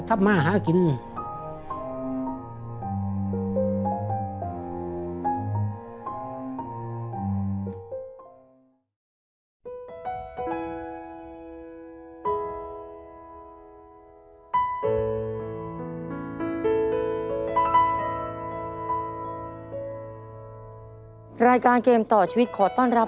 ก่อนหน้านี้นะครับคุณผู้ชมครับ